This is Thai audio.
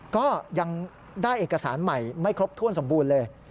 ก็ยังได้เอกสารใหม่ไม่ครบถ้วนสมบูรณ์เลย